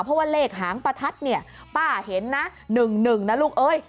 เพราะว่าเลขหางประทัดป้าเห็นนะ๑๑แล้วลูกเอ้ย